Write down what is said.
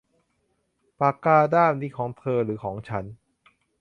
ปากกาด้ามนี้ของเธอหรือของฉัน